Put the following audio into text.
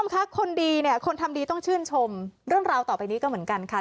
ค่ะคนดีเนี่ยคนทำดีต้องชื่นชมเรื่องราวต่อไปนี้ก็เหมือนกันค่ะ